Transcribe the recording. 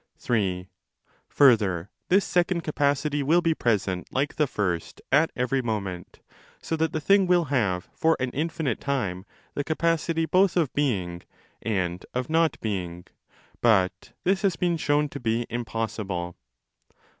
(3) Further, this second capacity will be present like the first at every moment, so that the thing will have for an infinite time the capacity both of being and of not being; but this has been shown to be impossible.